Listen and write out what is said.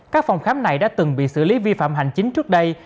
các phòng khám này đã từng bị xử lý vi phạm hành chính trước đây